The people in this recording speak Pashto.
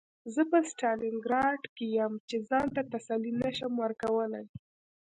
زه په ستالینګراډ کې یم چې ځان ته تسلي نشم ورکولی